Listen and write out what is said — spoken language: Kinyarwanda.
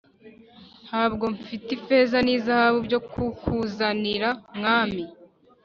Nta bwo mfite ifeza n’ izahabu byo kuku zanira mwami.